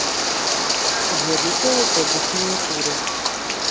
Едуць у аўтобусныя туры.